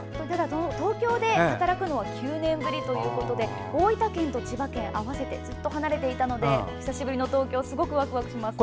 東京で働くのは９年ぶりということで大分県と違って合わせてずっと離れていたので久しぶりの東京すごくわくわくします。